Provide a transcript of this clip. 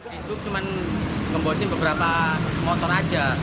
di sub cuma gembosi beberapa motor saja